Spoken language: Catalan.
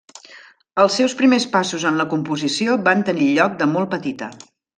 Els seus primers passos en la composició van tenir lloc de molt petita.